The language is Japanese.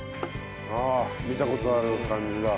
ああ見た事ある感じだ。